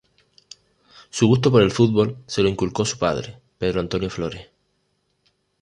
Su gusto por el fútbol se lo inculcó su padre, Pedro Antonio Flores.